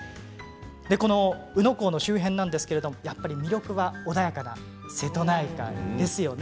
宇野港の周辺ですが魅力は穏やかな瀬戸内海ですよね。